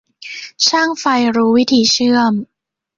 ช่างไฟรู้วิธีเชื่อม